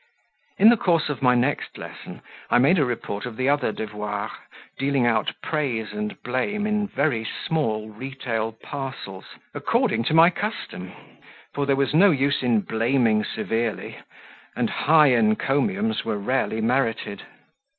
In the course of my next lesson, I made a report of the other devoirs, dealing out praise and blame in very small retail parcels, according to my custom, for there was no use in blaming severely, and high encomiums were rarely merited.